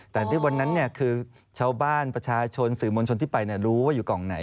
แต่ที่วันนั้นคือชาวบ้านประชาชนสื่อมวลชนที่ไปรู้ว่าอยู่กล่องไหน